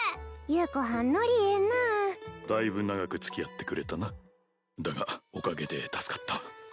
優子はんノリええなあだいぶ長く付き合ってくれたなだがおかげで助かった